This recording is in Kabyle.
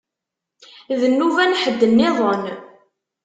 D nnuba n ḥedd nniḍen.